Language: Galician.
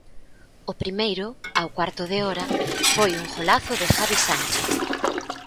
O primeiro, ao cuarto de hora, foi un golazo de Javi Sánchez.